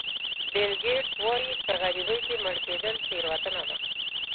بیل ګېټس وایي په غریبۍ کې مړ کېدل تېروتنه ده.